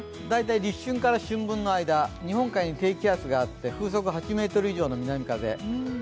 大体立春から春分の間、日本海に低気圧があって風速８ｍ以上の南風。